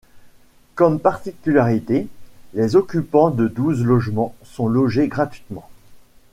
Comme particularité, les occupants de douze logements sont logés gratuitement.